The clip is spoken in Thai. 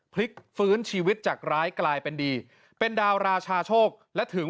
พลิกฟื้นชีวิตจากร้ายกลายเป็นดีเป็นดาวราชาโชคและถึง